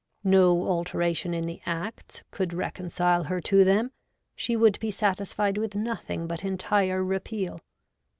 ' No alteration in the Acts could reconcile her to them. She would be satisfied with nothing but entire repeal.